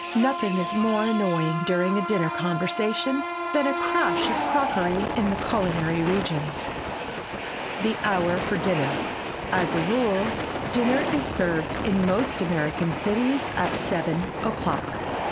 Nothing is more annoying during a dinner conversation than a crash of crockery in the culinary regions. [Sidenote: THE HOUR FOR DINNER] As a rule dinner is served in most American cities at seven o'clock.